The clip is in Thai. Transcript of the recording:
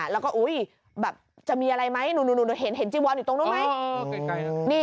แล้วก็จะมีอะไรไหมหนูเห็นจิวออนตรงนู้นไหม